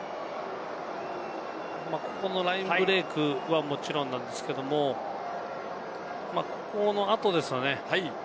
ここのラインブレイクはもちろんなんですが、ここの後ですよね。